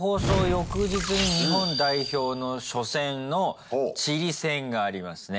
翌日に日本代表の初戦のチリ戦がありますね。